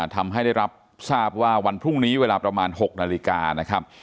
ทำให้ได้รับทราบว่าวันพรุ่งนี้เวลาประมาณ๖นาฬิกานะครับ